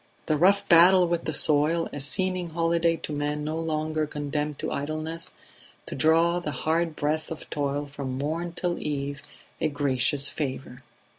The rough battle with the soil a seeming holiday to men no longer condemned to idleness; to draw the hard breath of toil from morn till eve a gracious favour